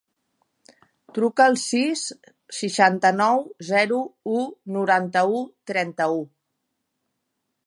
Truca al sis, seixanta-nou, zero, u, noranta-u, trenta-u.